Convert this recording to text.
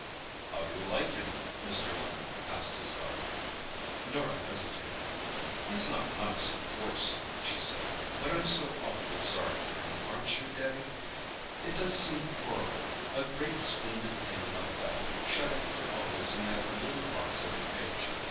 "How do you like him?" Mr. Linton asked his daughter. Norah hesitated. "He's not nice, of course," she said. "But I'm so awfully sorry for him, aren't you, Daddy? It does seem horrible—a great, splendid thing like that shut up for always in that little box of a cage.